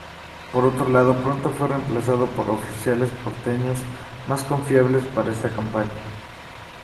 Por otro lado, pronto fue reemplazado por oficiales porteños, más confiables para esa campaña.